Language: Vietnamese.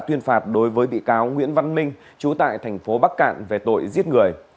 tuyên phạt đối với bị cáo nguyễn văn minh chú tại thành phố bắc cạn về tội giết người